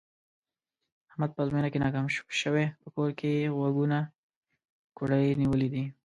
احمد په ازموینه کې ناکام شوی، په کور کې یې غوږونه کوړی نیولي دي.